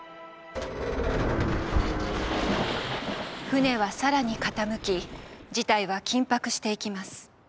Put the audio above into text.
船は更に傾き事態は緊迫していきます。